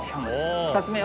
２つ目は。